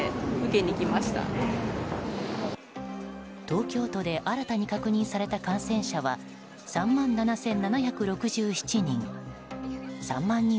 東京都で新たに確認された感染者は３万７７６７人。